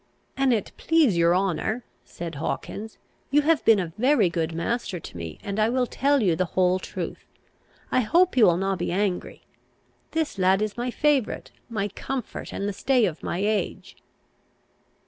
"An it please your honour," said Hawkins, "you have been a very good master to me, and I will tell you the whole truth. I hope you will na be angry. This lad is my favourite, my comfort, and the stay of my age."